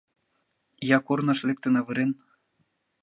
Я корныш лектын авырен?